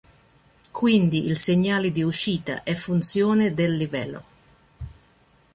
Quindi il segnale di uscita è funzione del livello.